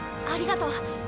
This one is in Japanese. ありがとう。